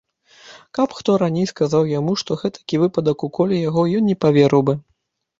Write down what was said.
Каб хто раней сказаў яму, што гэтакі выпадак уколе яго, ён не паверыў бы.